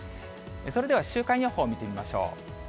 それでは週間予報を見てみましょう。